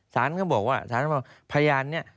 สารก็บอกว่าพยานเนี่ย